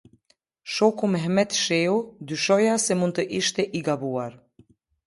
Shoku Mehmet Shehu: Dyshoja se mund të ishte i gabuar.